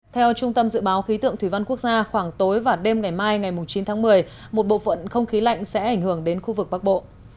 theo trung tâm dự báo khí tượng thủy văn quốc gia khoảng tối và đêm ngày mai ngày chín tháng một mươi một bộ phận không khí lạnh sẽ ảnh hưởng đến khu vực bắc bộ